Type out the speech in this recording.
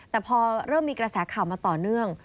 แต่พอเริ่มมีกระแสข่าวมาต่อเนื่อง